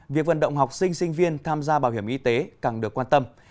việc vận động học sinh sinh viên tham gia bảo hiểm y tế càng được quan tâm